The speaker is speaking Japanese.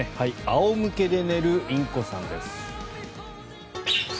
仰向けで寝るインコさんです。